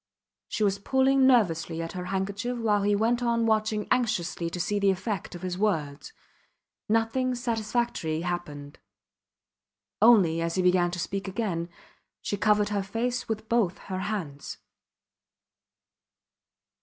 She was pulling nervously at her handkerchief while he went on watching anxiously to see the effect of his words. Nothing satisfactory happened. Only, as he began to speak again, she covered her face with both her hands.